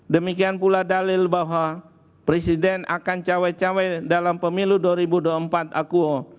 demikian pula dalil bahwa presiden akan cawe cawe dalam pemilu dua ribu dua puluh empat akuo